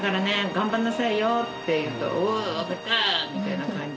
「頑張りなさいよ」って言うと「おうわかった」みたいな感じでね。